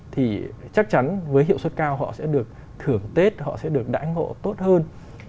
thì chắc chắn với hiệu suất cao họ sẽ được thưởng tết họ sẽ được đải ngộ tốt hơn